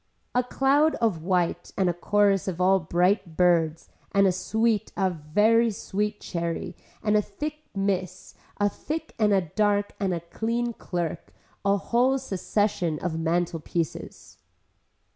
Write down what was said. A cloud of white and a chorus of all bright birds and a sweet a very sweet cherry and a thick miss, a thick and a dark and a clean clerk, a whole succession of mantle pieces.